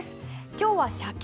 今日は「写経」